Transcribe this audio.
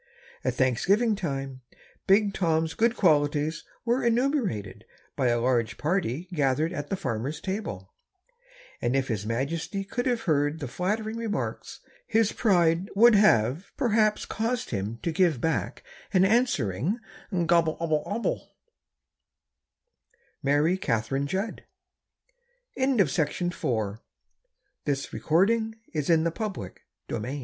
At Thanksgiving time Big Tom's good qualities were enumerated by a large party gathered at the farmer's table, and if his majesty could have heard the flattering remarks his pride would have perhaps caused him to give back an answering "gobble obble obble." Mary Catherine Judd. [Illustration: VARIED THRUSH. (Hesperocichla naevia.) Abo